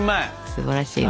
すばらしいね。